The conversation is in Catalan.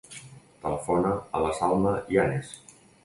Telefona a la Salma Yanes.